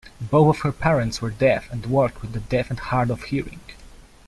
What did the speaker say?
Both of her parents were deaf and worked with the deaf and hard-of-hearing.